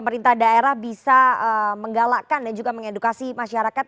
dan pemerintah daerah bisa menggalakkan dan juga mengedukasi masyarakat